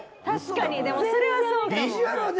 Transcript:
確かにでもそれはそうかも。